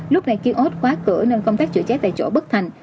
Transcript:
lúc này kiên ốt khóa cửa nên công tác chữa cháy tại chỗ bất thành